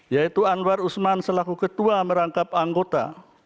yaitu anwar usman selaku ketua merangkap anggota